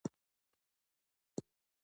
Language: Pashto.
بزګري هم په همدې موده کې رامنځته شوه.